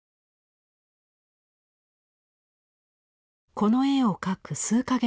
この絵を描く数か月